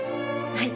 はい。